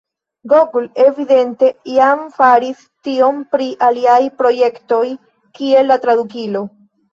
Google evidente jam faris tion pri aliaj projektoj, kiel la tradukilo.